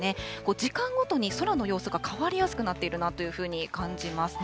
時間ごとに空の様子が変わりやすくなっているなというふうに感じます。